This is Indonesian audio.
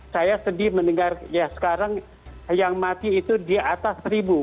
saya sedih mendengar ya sekarang yang mati itu di atas seribu